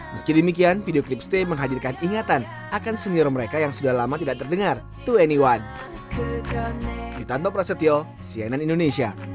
meski demikian video klip stay menghadirkan ingatan akan senior mereka yang sudah lama tidak terdengar to anyone